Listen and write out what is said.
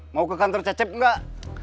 mau ke kantor cecep nggak